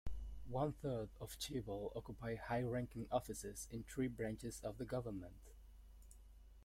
One-third of chaebol occupy high-ranking offices in three branches of the government.